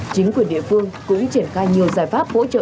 chính quyền địa phương cũng triển khai nhiều giải pháp hỗ trợ